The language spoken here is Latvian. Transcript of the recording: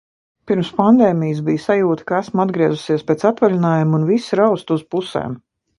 Pirms pandēmijas bija sajūta, ka esmu atgriezusies pēc atvaļinājuma un visi rausta uz pusēm.